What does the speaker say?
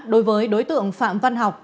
đối với đối tượng phạm văn học